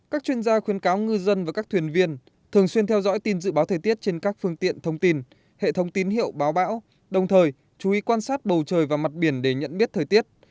các chuyên gia khuyến cáo ngư dân và các thuyền viên thường xuyên theo dõi tin dự báo thời tiết trên các phương tiện thông tin hệ thống tín hiệu báo bão đồng thời chú ý quan sát bầu trời và mặt biển để nhận biết thời tiết